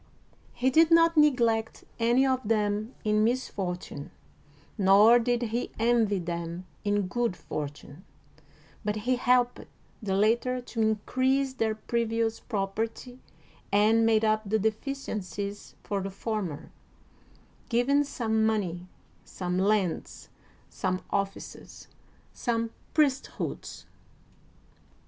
He did not neglect any of them in misfortune, nor did he envy them in good fortune, but he helped the latter to in crease their previous property and made up the deficiencies for the former, giving some money, some lands, some offices, some priesthoods.